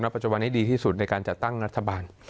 ปัจจุบันให้ดีที่สุดในการจัดตั้งรัฐบาล